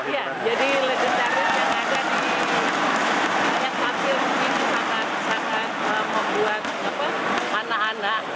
jadi legendaris yang ada di kota mataram ini sangat sangat membuat anak anak